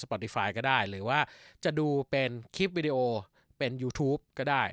ดีไฟล์ก็ได้หรือว่าจะดูเป็นคลิปวิดีโอเป็นยูทูปก็ได้